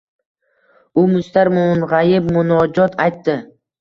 U mustar, mung‘ayib munojot aytdi.